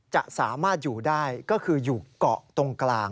จะสามารถอยู่ได้ก็คืออยู่เกาะตรงกลาง